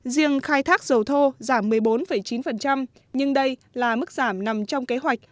riêng khai thác dầu thô giảm một mươi bốn chín nhưng đây là mức giảm nằm trong kế hoạch